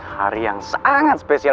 hari yang sangat spesial